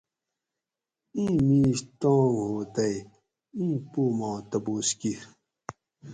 اِیں میش تانگ ہو تئ ایں پو ما تپوس کیر